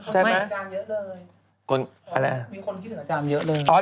ใช่ไหมอ้าอะไรนะอ๋อมีคนคิดถึงอาจารย์เยอะเลย